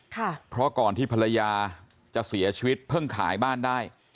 เพราะก่อนที่ภรรยาจะเสียชีวิตเพิ่งขายบ้านได้